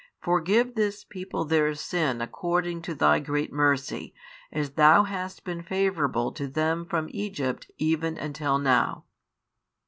Forgive this people their sin according to Thy great mercy, as Thou hast been favourable to them from Egypt even until now.